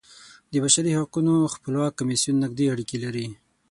د بشري حقونو خپلواک کمیسیون نږدې اړیکې لري.